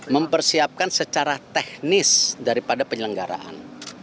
mempersiapkan secara teknis daripada penyelenggaraan